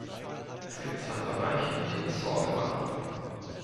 Es gibt zwei Bereiche, die uns Sorge machen.